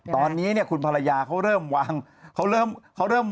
ตอนนี้เนี่ยหลวงพรรยาก็เริ่มว่างครับ